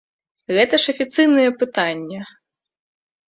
Гэта ж афіцыйнае пытанне.